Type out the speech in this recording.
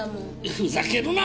ふざけるな！